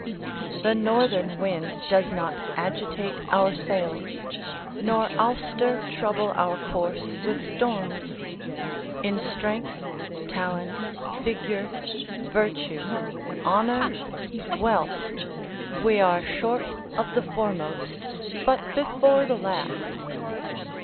["The northern wind does not agitate our sails; nor Auster trouble our course with storms. In strength, talent, figure, virtue, honour, wealth, we are short of the foremost, but before the last."